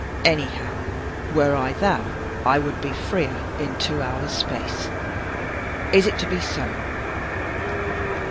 Anyhow, were I thou, I would be freer in two hours space. Is it to be so?"